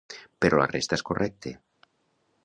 Però la resta és correcte.